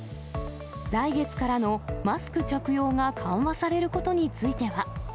来月からのマスク着用が緩和されることについては。